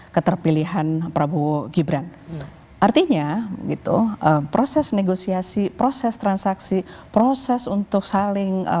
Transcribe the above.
keterpilihan prabowo gibran artinya gitu proses negosiasi proses transaksi proses untuk saling